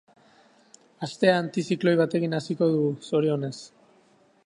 Astea antizikloi batekin hasiko dugu, zorionez.